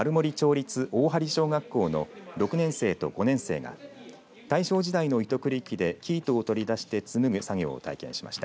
立大張小学校の６年生と５年生が大正時代の糸繰り機で生糸を取り出して紡ぐ作業を体験しました。